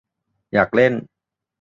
อยากเล่น !